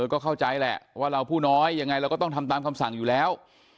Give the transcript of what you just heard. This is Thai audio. ก็เข้าใจแหละว่าเราผู้น้อยยังไงเราก็ต้องทำตามคำสั่งอยู่แล้ว